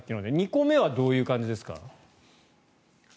２個目はどういう感じですか？